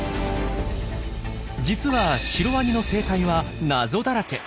実はシロワニの生態は謎だらけ。